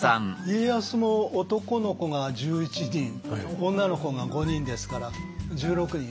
家康も男の子が１１人女の子が５人ですから１６人。